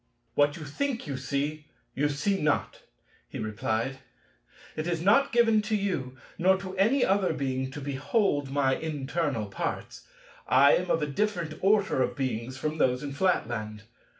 "What you think you see, you see not," he replied; "it is not giving to you, nor to any other Being, to behold my internal parts. I am of a different order of Beings from those in Flatland.